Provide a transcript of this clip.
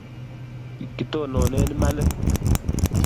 Kitonone imanit